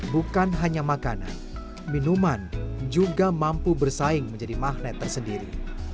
bukan hanya makanan minuman juga mampu bersaing menjadi magnet tersendiri